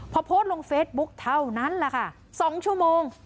พอโพสต์ลงเฟซบุ๊กเท่านั้นแหละค่ะ๒ชั่วโมง